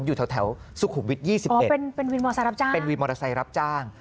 อยู่แถวสุขุมวิทย์๒๑เป็นวินมอเตอร์ไซรับจ้าง